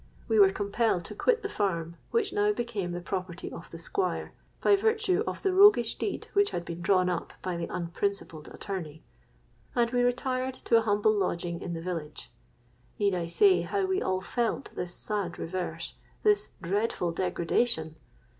We were compelled to quit the farm, which now became the property of the Squire, by virtue of the roguish deed which had been drawn up by the unprincipled attorney; and we retired to a humble lodging in the village. Need I say how we all felt this sad reverse—this dreadful degradation?